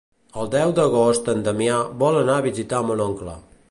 El deu d'agost en Damià vol anar a visitar mon oncle.